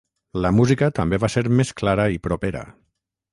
La música també va ser més clara i propera.